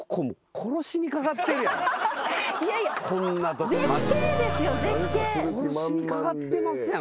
殺しにかかってますやんこんなもん。